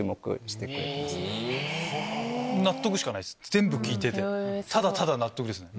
全部聞いててただただ納得ですね。